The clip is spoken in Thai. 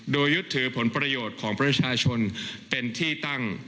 โดยยึดถือผลประโยชน์ของประชาชนเป็นที่ตั้ง